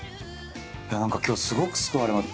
いや何か今日すごく救われます。